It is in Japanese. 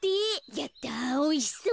やったおいしそう。